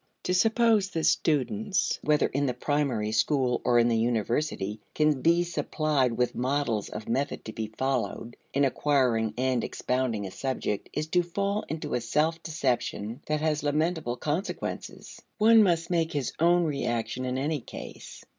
To suppose that students, whether in the primary school or in the university, can be supplied with models of method to be followed in acquiring and expounding a subject is to fall into a self deception that has lamentable consequences. (See ante, p. 169.) One must make his own reaction in any case.